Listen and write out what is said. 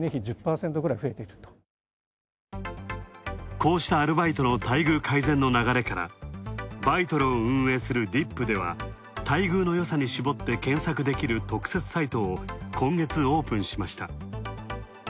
こうしたアルバイトの待遇改善の流れから、バイトルを運営するディップでは待遇のよさに絞って検索できる特設サイトを今月オープンしました。